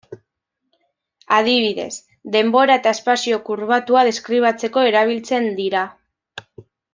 Adibidez, denbora eta espazio kurbatua deskribatzeko erabiltzen dira.